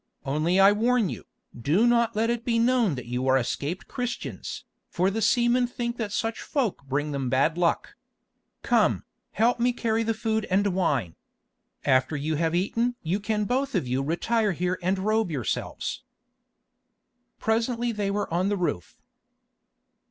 Only I warn you, do not let it be known that you are escaped Christians, for the seamen think that such folk bring them bad luck. Come, help me carry the food and wine. After you have eaten you can both of you retire here and robe yourselves." Presently they were on the roof.